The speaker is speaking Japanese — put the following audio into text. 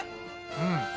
うん。